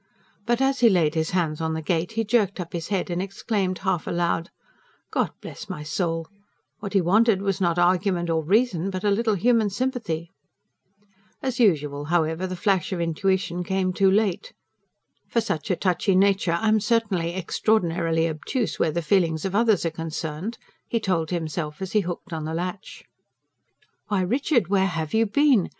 But as he laid his hands on the gate, he jerked up his head and exclaimed half aloud: "God bless my soul! What he wanted was not argument or reason but a little human sympathy." As usual, however, the flash of intuition came too late. "For such a touchy nature I'm certainly extraordinarily obtuse where the feelings of others are concerned," he told himself as he hooked in the latch. "Why, Richard, where HAVE you been?"